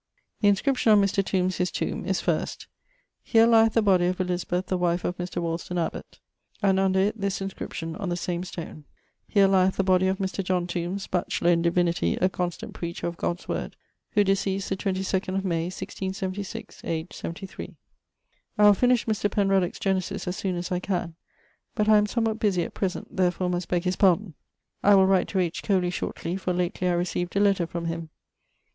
The inscription on Mr. Tombes his tomb is first: 'Here lyeth the body of Elizabeth the wife of Mr. Wolston Abbott,' and under itt this inscription on the same stone: 'Here the body of Mr. John Tombes, Batchelour in Divinity, a constant preacher of God's word, who deceased the 22ᵈ of May 1676, aged 73.' I will finish Mr. Penruduck's[CB] genesis as soone as I can; but I am somewhat bussy att present; therefore must begge his pardon. I will write to H. Coley shortly, for lately I received a letter from him.